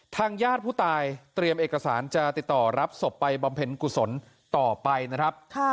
ทางญาติผู้ตายเตรียมเอกสารจะติดต่อรับศพไปบำเพ็ญกุศลต่อไปนะครับ